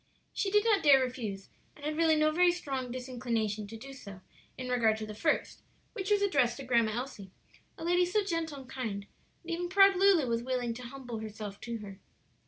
She did not dare refuse, and had really no very strong disinclination to do so in regard to the first, which was addressed to Grandma Elsie a lady so gentle and kind that even proud Lulu was willing to humble herself to her.